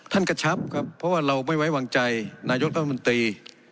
กระชับครับเพราะว่าเราไม่ไว้วางใจนายกรัฐมนตรี